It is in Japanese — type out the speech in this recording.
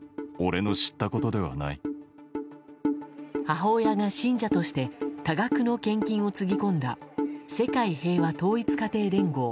母親が信者として多額の献金をつぎ込んだ世界平和統一家庭連合。